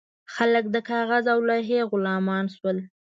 خلک د کاغذ او لوحې غلامان شول.